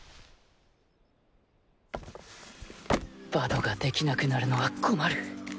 バドができなくなるのは困る